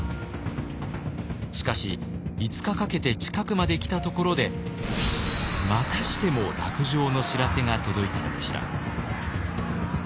しかし５日かけて近くまで来たところでまたしても落城の知らせが届いたのでした。